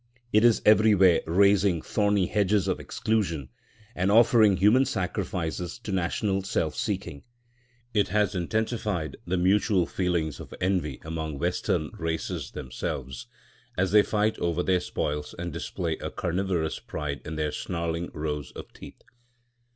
It is everywhere raising thorny hedges of exclusion and offering human sacrifices to national self seeking. It has intensified the mutual feelings of envy among Western races themselves, as they fight over their spoils and display a carnivorous pride in their snarling rows of teeth.